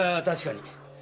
確かに。